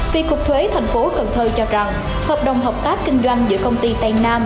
vì cục thuế tp cần thơ cho rằng hợp đồng hợp tác kinh doanh giữa công ty tây nam